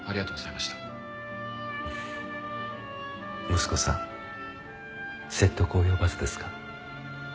息子さん説得及ばずですか？